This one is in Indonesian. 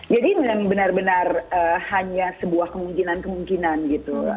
jadi memang benar benar hanya sebuah kemungkinan kemungkinan gitu